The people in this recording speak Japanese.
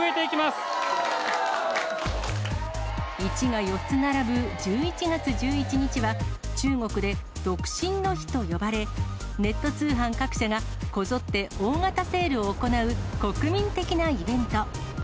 １が４つ並ぶ１１月１１日は、中国で独身の日と呼ばれ、ネット通販各社が、こぞって大型セールを行う国民的なイベント。